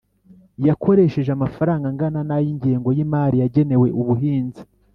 yakoresheje amafaranga angana nay ingengo y imari yagenewe ubuhinzi